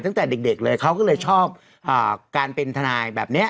ตั้งแต่เด็กเลยเขาก็เลยชอบการเป็นทนายแบบนี้